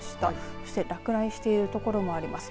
そして落雷しているところもあります。